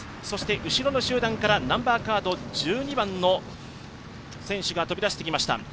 そして後ろの集団からナンバーカード１２番の選手が飛び出してきました